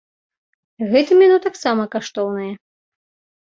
Гэтым яно таксама каштоўнае.